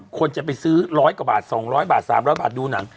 คนจะไปซื้อร้อยกว่าบาทสองร้อยบาทสามร้อยบาทดูหนัง